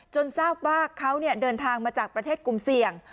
ทราบว่าเขาเดินทางมาจากประเทศกลุ่มเสี่ยง